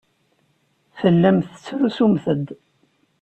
Tellamt tettrusumt-d.